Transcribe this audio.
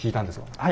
はい。